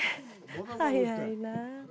早いな。